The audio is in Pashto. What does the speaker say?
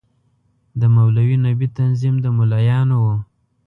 د مولوي نبي تنظیم د ملايانو وو.